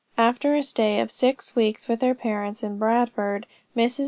After a stay of six weeks with her parents in Bradford, Mrs. J.